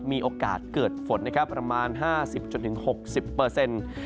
มีโอกาสเกิดฝนนะครับประมาณ๕๐๖๐เปอร์เซ็นต์